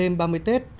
năm ba mươi tết